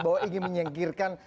bahwa ingin menyingkirkan